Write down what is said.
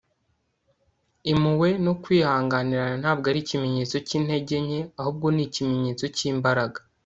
impuhwe no kwihanganirana ntabwo ari ikimenyetso cy'intege nke, ahubwo ni ikimenyetso cy'imbaraga